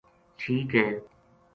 ٹھیک ہے